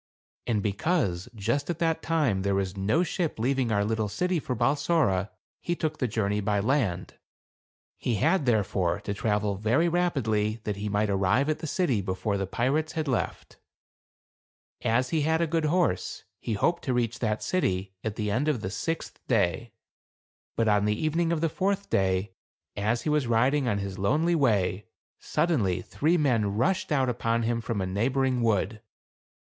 And be cause, just at that time, there was no ship leaving our little city for Balsora, he took the journey by land. He had, therefore, to travel very rapidly that he might arrive at the city before the pirates had left. As he had a good horse, he hoped to reach that city at the end of the sixth day. But on the evening of the fourth day, as he was riding on his lonely way, suddenly, three men rushed out upon him from a neighboring wood.